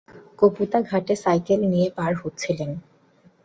কপুদা ঘাটে সাইকেল নিয়ে পার হচ্ছিলেন জুড়িয়া গ্রামের বিস্কুট ব্যবসায়ী মজনু প্রামাণিক।